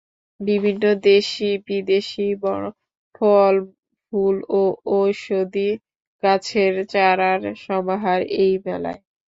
বিভিন্ন দেশি বিদেশি ফলফুল ও ঔষধি গাছের চারার সমাহার এই মেলায়।